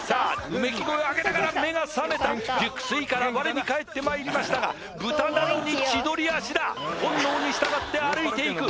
うめき声をあげながら目が覚めた熟睡から我に返ってまいりましたが豚なりに千鳥足だ本能に従って歩いていく